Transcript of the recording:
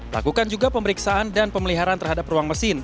lakukan juga pemeriksaan dan pemeliharaan terhadap ruang mesin